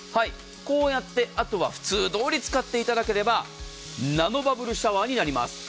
こうやって、あとは普通どおり使っていただければナノバブルシャワーになります。